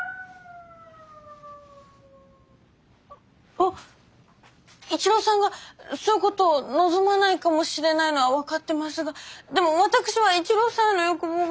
あっ一郎さんがそういうことを望まないかもしれないのは分かってますがでも私は一郎さんへの欲望が。